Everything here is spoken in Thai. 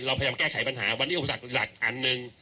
พยายามแก้ไขปัญหาวันนี้อุปสรรคหลักอันหนึ่ง